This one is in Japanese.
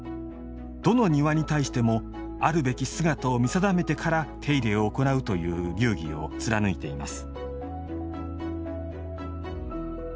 どの庭に対しても、あるべき姿を見定めてから手入れを行うという流儀を貫いています。